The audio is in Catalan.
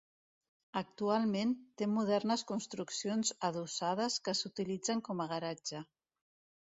Actualment, té modernes construccions adossades que s'utilitzen com a garatge.